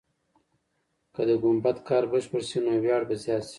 که د ګمبد کار بشپړ سي، نو ویاړ به زیات سي.